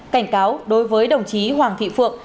cảnh cáo đối với đồng chí hoàng thị phượng